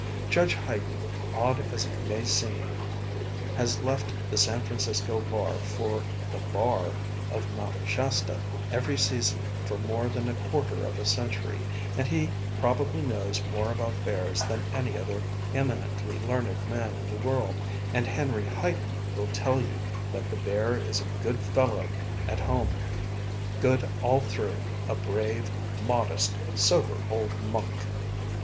Judge Highton, odd as it may seem, has left the San Francisco bar for the "bar" of Mount Shasta every season for more than a quarter of a century, and he probably knows more about bears than any other eminently learned man in the world, and Henry Highton will tell you that the bear is a good fellow at home, good all through, a brave, modest, sober old monk.